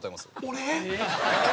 俺！？